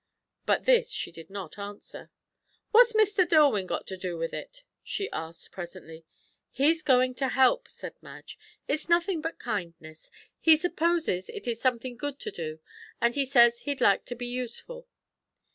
But this she did not answer. "What's Mr. Dillwyn got to do with it?" she asked presently. "He's going to help," said Madge. "It's nothing but kindness. He supposes it is something good to do, and he says he'd like to be useful."